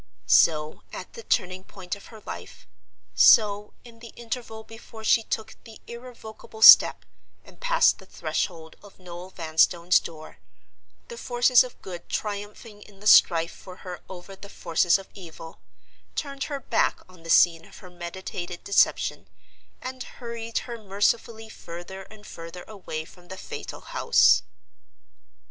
So, at the turning point of her life—so, in the interval before she took the irrevocable step, and passed the threshold of Noel Vanstone's door—the forces of Good triumphing in the strife for her over the forces of Evil, turned her back on the scene of her meditated deception, and hurried her mercifully further and further away from the fatal house.